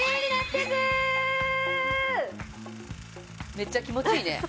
めっちゃ気持ちいいね。